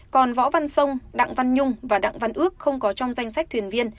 còn võ văn sông đặng văn nhung và đặng văn ước không có trong danh sách thuyền viên